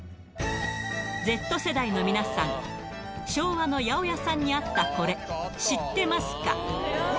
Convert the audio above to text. Ｚ世代の皆さん、昭和の八百屋さんにあったこれ、知ってますか？